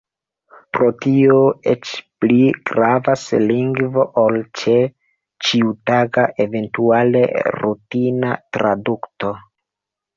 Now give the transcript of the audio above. Pro tio eĉ pli gravas lingvo ol ĉe ĉiutaga, eventuale rutina traduko.